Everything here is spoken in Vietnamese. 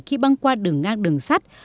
khi băng qua đường ngang đường sắt